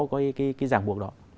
cái giảng buộc đó